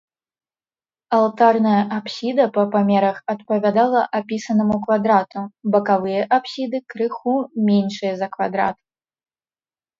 Алтарная апсіда па памерах адпавядала апісанаму квадрату, бакавыя апсіды крыху меншыя за квадрат.